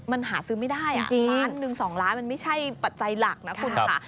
มันหาซื้อไม่ได้ล้านหนึ่ง๒ล้านมันไม่ใช่ปัจจัยหลักนะคุณค่ะ